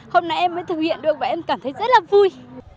hôm nay em mới thực hiện được và em cảm thấy rất là vui